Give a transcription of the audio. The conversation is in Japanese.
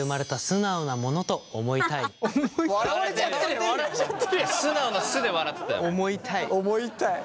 素直な「素」で笑ってたよ。